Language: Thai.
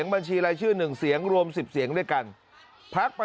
บุรการ